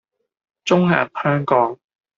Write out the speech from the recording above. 中銀香港